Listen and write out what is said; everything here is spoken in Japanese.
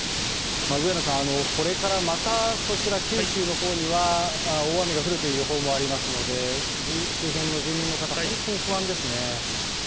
上野さん、これからまたそちら、九州のほうには大雨が降るという予報もありますので、周辺の住民の方、本当に不安ですね。